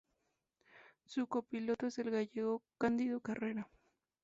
Su copiloto es el gallego Cándido Carrera.